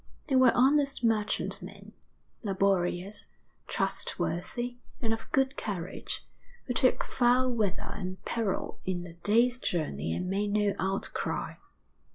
They were honest merchantmen, laborious, trustworthy, and of good courage, who took foul weather and peril in the day's journey and made no outcry.